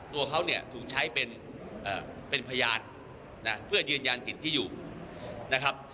ตัวเขาเนี่ยถูกใช้เป็นพยานนะเพื่อยืนยันถิ่นที่อยู่นะครับ